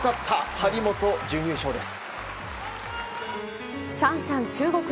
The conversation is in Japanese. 張本、準優勝です。